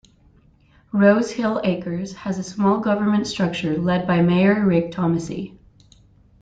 Rose Hill Acres has a small government structure led by Mayor Rick Thomisee.